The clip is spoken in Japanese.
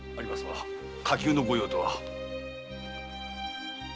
火急のご用とは？